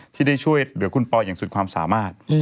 ที่ได้ช่วยเหลือคุณปอยอย่างสุดความสามารถ